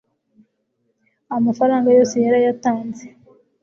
amafaranga yose yarayatanze